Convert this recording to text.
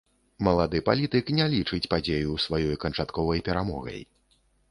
Малады палітык не лічыць падзею сваёй канчатковай перамогай.